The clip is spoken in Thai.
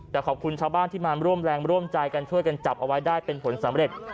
แต่ขอบคุณชาวบ้านที่มาร่วมแรงร่วมใจกันช่วยกันจับเอาไว้ได้เป็นผลสำเร็จ